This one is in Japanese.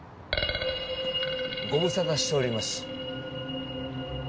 ご無沙汰しております。